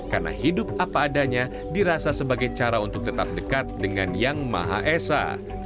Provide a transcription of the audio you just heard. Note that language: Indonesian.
karena hidup apa adanya dirasa sebagai cara untuk tetap dekat dengan yang maha esa